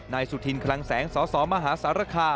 สุธินคลังแสงสสมหาสารคา